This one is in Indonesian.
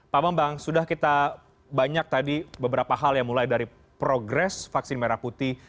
pak bambang sudah kita banyak tadi beberapa hal yang mulai dari progres vaksin merah putih